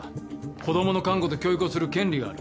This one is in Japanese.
子供の監護と教育をする権利がある。